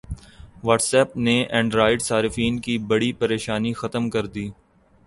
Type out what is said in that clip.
what's app نے Android صارفین کی بڑی پریشانی ختم کردی